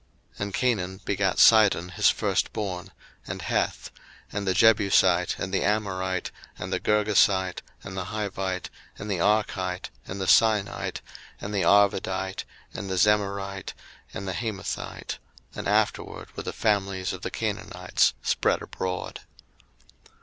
01:010:015 And Canaan begat Sidon his first born, and Heth, 01:010:016 And the Jebusite, and the Amorite, and the Girgasite, 01:010:017 And the Hivite, and the Arkite, and the Sinite, 01:010:018 And the Arvadite, and the Zemarite, and the Hamathite: and afterward were the families of the Canaanites spread abroad.